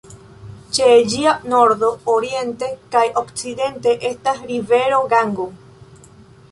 Ĉe ĝia nordo, oriente kaj okcidente estas rivero Gango.